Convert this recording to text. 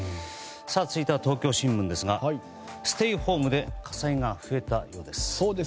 続いては東京新聞ですがステイホームで火災が増えたようです。